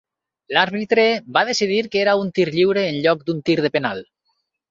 L'àrbitre va decidir que era un tir lliure en lloc d'un tir de penal.